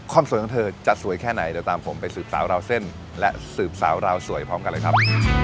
สวยของเธอจะสวยแค่ไหนเดี๋ยวตามผมไปสืบสาวราวเส้นและสืบสาวราวสวยพร้อมกันเลยครับ